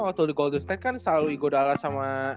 waktu di golden state kan selalu igo dalla sama